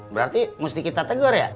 berarti mesti kita tegur ya